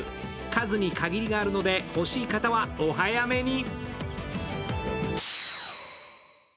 数に限りがあるので、欲しい方はお早めに！